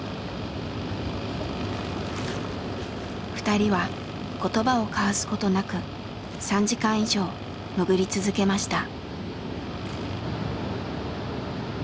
２人は言葉を交わすことなく３時間以上潜り続けました。